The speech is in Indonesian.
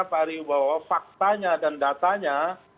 pak ari wibowo faktanya dan datanya